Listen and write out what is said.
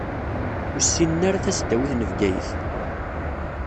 Ur ssinen ara tasdawit n Bgayet.